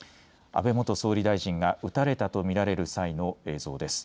安倍元総理大臣が撃たれたと見られる際の映像です。